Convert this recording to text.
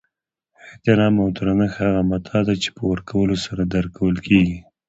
احترام او درنښت هغه متاع ده چی په ورکولو سره درکول کیږي